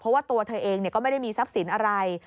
เพราะว่าตัวเธอเองก็ไม่ได้มีทรัพย์สินอะไร